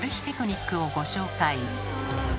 テクニックをご紹介。